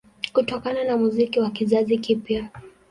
Kutokana na muziki wa kizazi kipya